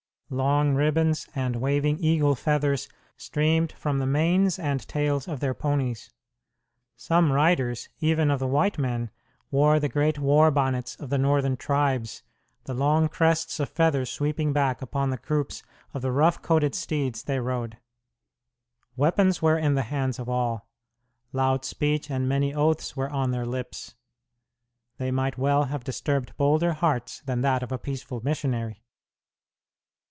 Long ribbons and waving eagle feathers streamed from the manes and tails of their ponies. Some riders, even of the white men, wore the great war bonnets of the northern tribes, the long crests of feathers sweeping back upon the croups of the rough coated steeds they rode. Weapons were in the hands of all. Loud speech and many oaths were on their lips. They might well have disturbed bolder hearts than that of a peaceful missionary.